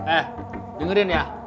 eh dengerin ya